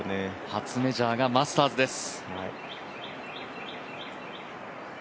初メジャーがマスターズです。